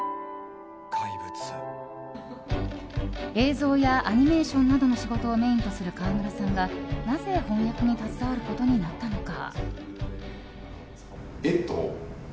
映像やアニメーションなどの仕事をメインとする川村さんがなぜ翻訳に携わることになったのか。